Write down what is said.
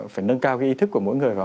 phải nâng cao cái ý thức của mỗi người